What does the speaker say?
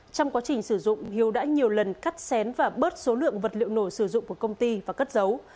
trong quá trình sử dụng hiếu đã nhiều lần cắt xén và bớt số lượng vật liệu nổ sử dụng của công ty và cất giấu